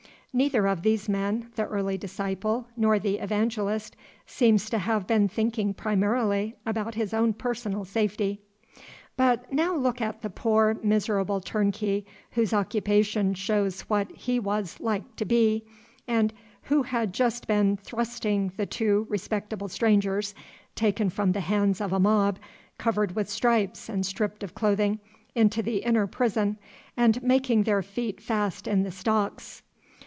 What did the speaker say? Neither of these men, the early disciple, nor the evangelist, seems to have been thinking primarily about his own personal safety. But now look at the poor, miserable turnkey, whose occupation shows what he was like to be, and who had just been thrusting two respectable strangers, taken from the hands of a mob, covered with stripes and stripped of clothing, into the inner prison, and making their feet fast in the stocks.